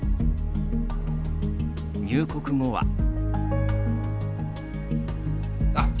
入国後は。